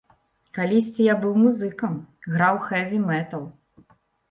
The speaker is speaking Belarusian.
Калісьці я быў музыкам, граў хэві-метал.